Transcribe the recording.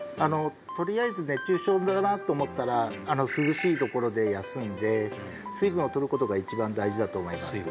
とりあえず熱中症だなと思ったら涼しいところで休んで水分をとることが一番大事だと思います